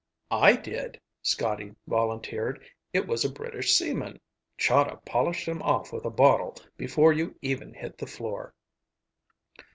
"I did," Scotty volunteered. "It was a British seaman. Chahda polished him off with a bottle before you even hit the floor."